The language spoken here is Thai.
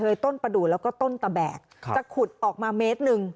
เบื้องใดมันเป็นต้นประดูกแล้วก็ต้นตะแบกจะขุดออกมาเมตรหนึ่ง